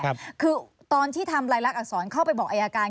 คือตอนที่ทำลายลักษรเข้าไปบอกอายการ